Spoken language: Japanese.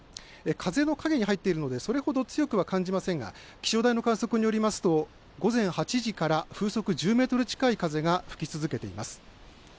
風の影に入っているのでそれほど強くは感じませんが気象台の観測によりますと午前８時から風速１０メートル近い風が吹き続けています。